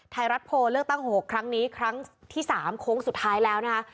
ไทยรัฐโพลเลือกตั้ง๖ครั้งนี้ครั้งที่๓โค้งสุดท้ายแล้วนะคะ